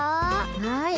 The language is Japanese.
はい。